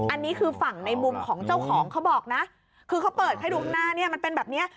อันนี้คือฝั่งในมุมของเจ้าของเขาบอกนะคือเขาเปิดให้ดูข้างหน้าเนี่ยมันเป็นแบบเนี้ย